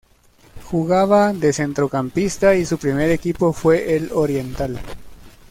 Jugaba de centrocampista y su primer equipo fue el Oriental.